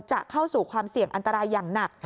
จะเข้าสู่ความเสี่ยงอันตรายอย่างหนัก